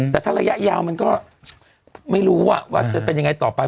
แต่ถ้าระยะยาวมันก็ไม่รู้ว่าจะเป็นยังไงต่อไป